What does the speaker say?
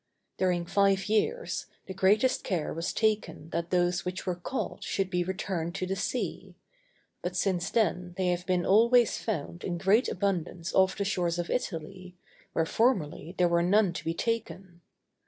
During five years, the greatest care was taken that those which were caught should be returned to the sea; but since then they have been always found in great abundance off the shores of Italy, where formerly there were none to be taken.